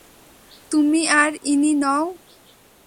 তুমি আর ইনি নও।